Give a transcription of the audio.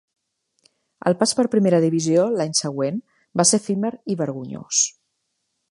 El pas per Primera divisió l'any següent va ser efímer i vergonyós.